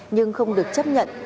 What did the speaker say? nhưng không được chấp nhận